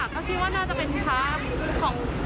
ค่ะก็คิดว่าน่าจะเป็นภาพของ